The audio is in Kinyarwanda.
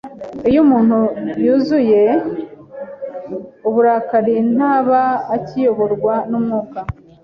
Iyo umuntu yuzuye uburakari, ntaba akiyoborwa, n’ umwuka